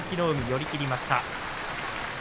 寄り切りました。